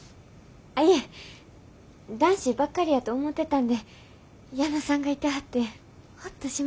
あいえ男子ばっかりやと思ってたんで矢野さんがいてはってホッとしました。